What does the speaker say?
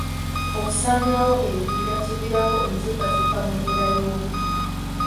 Okusaanyaawo ebibira kiviirako enkyukakyuka mu mbeera y'obudde.